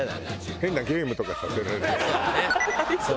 変なゲームとかさせられそう。